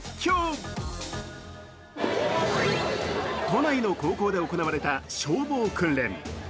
都内の高校で行われた消防訓練。